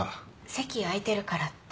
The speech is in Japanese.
席空いてるからって。